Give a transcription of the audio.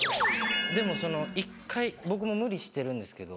でもその１回僕も無理してるんですけど。